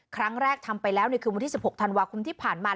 ครั้งแรกทำไปแล้วในคืนวันที่๑๖ธันวาคมที่ผ่านมา